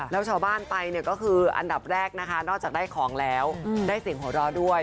แล้วชาวบ้านไปก็คืออันดับแรกนอกจากได้ของแล้วได้เสียงห่วโดรด้วย